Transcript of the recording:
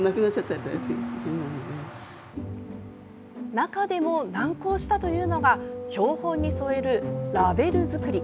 中でも難航したというのが標本に添える、ラベル作り。